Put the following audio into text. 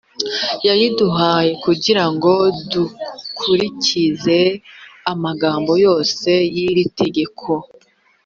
yabiduhaye kugira ngo dukurikize amagambo yose y’iri tegeko.